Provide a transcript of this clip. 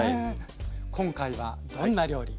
今回はどんな料理？